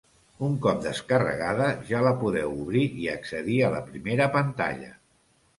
Un cop descarregada ja la podeu obrir i accedir a la primera pantalla.